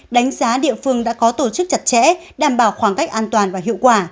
đánh giá địa phương đã có tổ chức chặt chẽ đảm bảo khoảng cách an toàn và hiệu quả